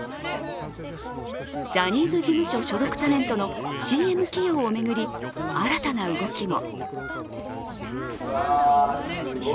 ジャニーズ事務所所属タレントのＣＭ起用を巡り、新たな動きも。